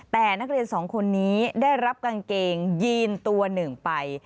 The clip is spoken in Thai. แต่นักเรียนสองคนนี้ได้รับกางเกงยีนตัวหนึ่งไป